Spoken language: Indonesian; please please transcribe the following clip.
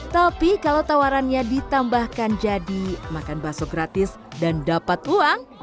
tapi kalau tawarannya ditambahkan jadi makan bakso gratis dan dapat uang